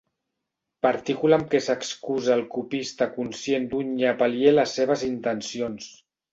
Partícula amb què s'excusa el copista conscient d'un nyap aliè a les seves intencions.